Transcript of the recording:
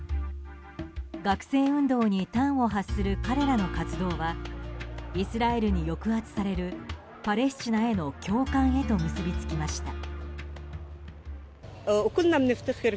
学生運動に端を発する彼らの活動はイスラエルに抑圧されるパレスチナへの共感へと結びつきました。